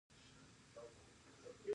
په بل چاپېریال کې اردو واک لري.